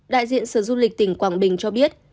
đại diện sở du lịch tỉnh quảng bình cho biết